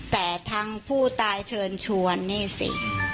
แต่ทั้งผู้ตายเชิญชวนนี่สิ